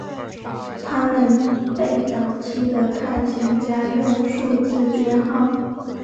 他们被早期的探险家用数字编号。